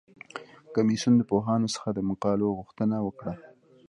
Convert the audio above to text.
کمیسیون د پوهانو څخه د مقالو غوښتنه وکړه.